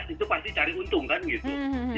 itu pasti cari untung kan gitu